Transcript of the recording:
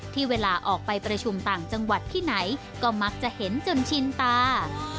ที่เวลาออกไปประชุมต่างจังหวัดที่ไหนก็มักจะเห็นจนชินตา